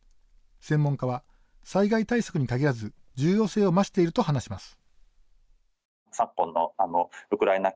専門家は災害対策に限らず重要性を増していると話します。